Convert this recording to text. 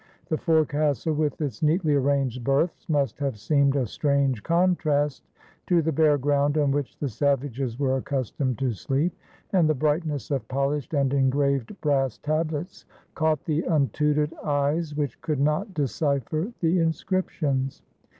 The forecastle with its neatly arranged berths must have seemed a strange contrast to the bare ground on which the savages were accustomed to sleep, and the brightness of polished and engraved brass tablets caught the untutored eyes which could not decipher the inscriptions.